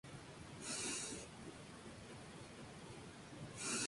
Se considera uno de los pioneros de la world music.